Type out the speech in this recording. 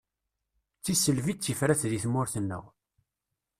Tisselbi i d tifrat di tmurt-nneɣ.